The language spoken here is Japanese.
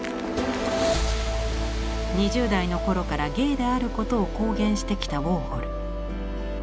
２０代の頃からゲイであることを公言してきたウォーホル。